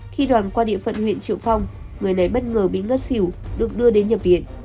khi đoàn qua địa phận huyện triệu phong người này bất ngờ bị ngất xỉu được đưa đến nhập viện